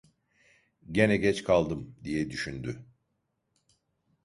"Gene geç kaldım!" diye düşündü.